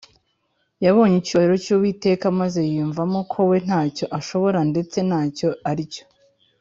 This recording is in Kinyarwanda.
Yabonye icyubahiro cy’Uwiteka maze yiyumvamo ko we ntacyo ashoboye ndetse ntacyo aricyo.